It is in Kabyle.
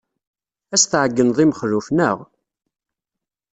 Ad as-tɛeyyneḍ i Mexluf, naɣ?